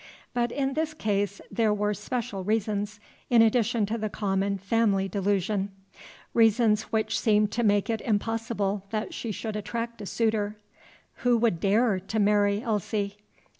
But in this case there were special reasons, in addition to the common family delusion, reasons which seemed to make it impossible that she should attract a suitor. Who would dare to marry Elsie?